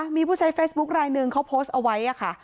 มีผู้ใช้เฟซบุ๊คลายหนึ่งเขาโพสต์เอาไว้ค่ะ